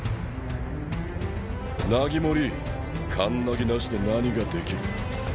ナギモリカンナギなしで何ができる？